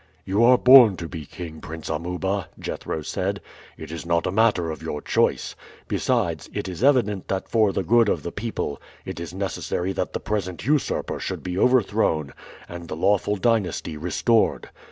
"You are born to be king, Prince Amuba," Jethro said; "it is not a matter of your choice. Besides, it is evident that for the good of the people it is necessary that the present usurper should be overthrown and the lawful dynasty restored.